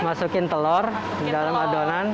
masukkan telur ke dalam adonan